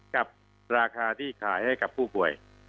กับราคาที่ขายให้กับผู้ป่วย